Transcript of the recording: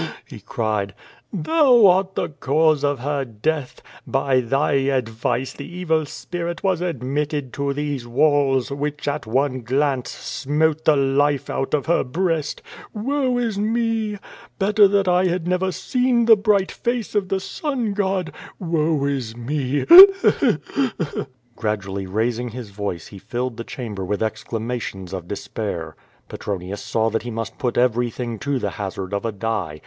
"Eheu!'^ he cried. "Thou art the cause of her death. By thy advice the evil spirit was admitted to these walls, which at one glance smote the life out of her breast. Woe is me! Better that I had never seen the bright face of the sun god. Woe is me! Eheu! Eheu!'' Gradually raising his voice he filled the chamber with ex clamations of despair. Petronius saw that he must put every thing to the hazard oi a die.